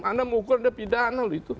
anda mukul ada pidana loh itu